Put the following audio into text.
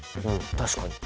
確かに。